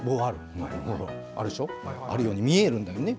あるように見えるんだよね。